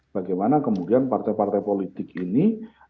bagaimana kemudian partai partai politik ini